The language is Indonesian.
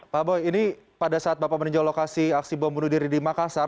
pak boy ini pada saat bapak meninjau lokasi aksi bom bunuh diri di makassar